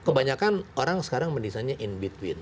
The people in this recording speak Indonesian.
kebanyakan orang sekarang mendesainnya in between